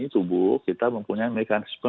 tubuh kita mempunyai mekanisme